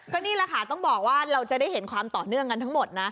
ก็นี่แหละค่ะต้องบอกว่าเราจะได้เห็นความต่อเนื่องกันทั้งหมดนะ